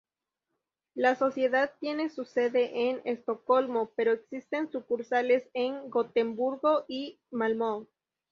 La sociedad tiene su sede en Estocolmo, pero existen sucursales en Gotemburgo y Malmö.